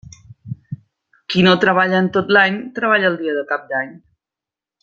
Qui no treballa en tot l'any, treballa el dia de Cap d'Any.